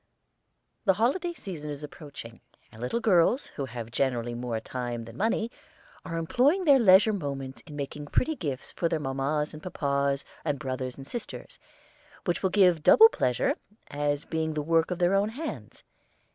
The holiday season is approaching, and little girls, who have generally more time than money, are employing their leisure moments in making pretty gifts for their papas and mammas, and brothers and sisters, which will give double pleasure as being the work of their own hands.